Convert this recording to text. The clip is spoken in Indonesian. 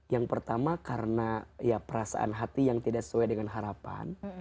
yang pertama karena perasaan hati yang tidak sesuai dengan harapan